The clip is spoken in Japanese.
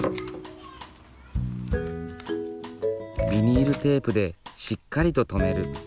ビニールテープでしっかりと留める。